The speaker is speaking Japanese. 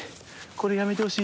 これやめてほしい。